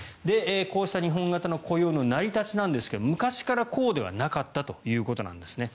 こうした日本型の雇用の成り立ちですが昔からこうではなかったということなんですね。